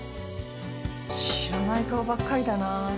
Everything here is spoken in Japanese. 知らない顔ばっかりだなあ。